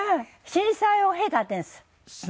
震災を経たんです。